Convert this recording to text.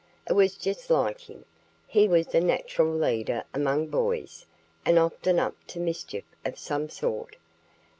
It was just like him. He was a natural leader among boys, and often up to mischief of some sort.